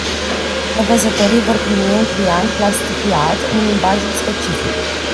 Nevăzătorii vor primi un pliant plastifiat în limbajul specific.